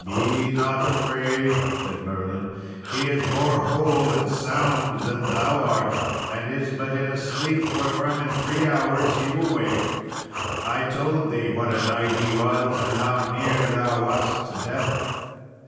"Be not afraid," said Merlin; "he is more whole and sound than thou art, and is but in a sleep, wherefrom in three hours' time he will awake. I told thee what a knight he was, and how near thou wast to death.